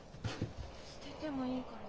捨ててもいいから。